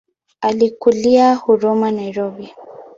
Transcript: Alikulia Huruma Nairobi.